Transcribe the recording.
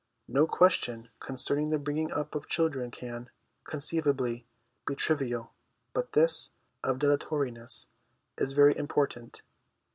No question concerning the bringing up of children can, conceivably, be trivial, but this, of dilatoriness, is very important.